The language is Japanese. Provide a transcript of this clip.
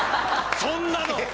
そんなの！